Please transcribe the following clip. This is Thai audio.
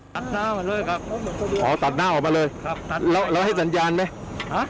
อ๋อตัดหน้าออกมาเลยครับแล้วแล้วให้สัญญาณไหมฮะ